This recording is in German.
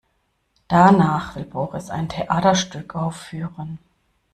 Danach will Boris ein Theaterstück aufführen.